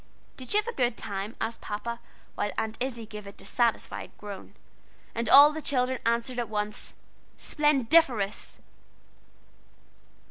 "Did you have a good time?" asked Papa, while Aunt Izzie gave a dissatisfied groan. And all the children answered at once: "Splendiferous!"